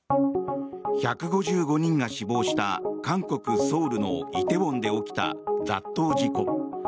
１５５人が死亡した韓国ソウルの梨泰院で起きた雑踏事故。